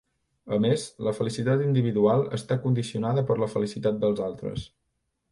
A més, la felicitat individual està condicionada per la felicitat dels altres.